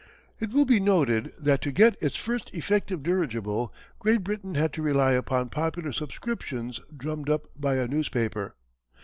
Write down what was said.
It will be noted that to get its first effective dirigible Great Britain had to rely upon popular subscriptions drummed up by a newspaper.